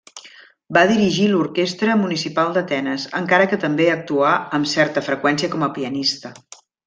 Va dirigir l'Orquestra Municipal d'Atenes, encara que també actuà amb certa freqüència com a pianista.